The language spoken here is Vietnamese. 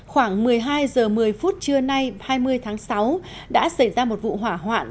khoảng một mươi hai h một mươi phút trưa nay hai mươi tháng sáu đã xảy ra một vụ hỏa hoạn